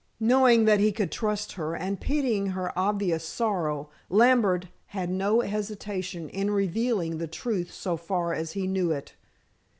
Knowing that he could trust her, and pitying her obvious sorrow, Lambert had no hesitation in revealing the truth so far as he knew it.